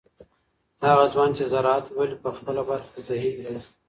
هغه ځوان چې زراعت لولي په خپله برخه کې ذهین دی.